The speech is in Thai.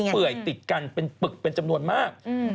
เปื่อยติดกันเป็นปึกเป็นจำนวนมาก